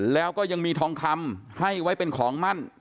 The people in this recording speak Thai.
แล้วก็ยังมีทองคำให้ไว้เป็นของมั่น